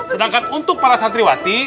sedangkan untuk para satriwati